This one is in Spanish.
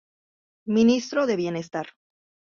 Ministro de Bienestar.